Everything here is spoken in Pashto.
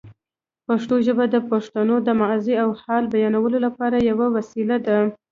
پښتو ژبه د پښتنو د ماضي او حال بیانولو لپاره یوه وسیله ده.